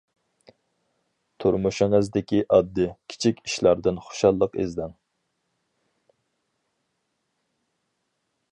تۇرمۇشىڭىزدىكى ئاددىي، كىچىك ئىشلاردىن خۇشاللىق ئىزدەڭ.